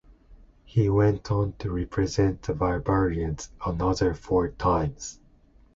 He went on to represent the Barbarians another four times.